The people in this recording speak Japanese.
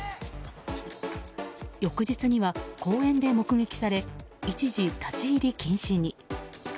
翌日には公園で目撃され一時、立ち入り禁止に。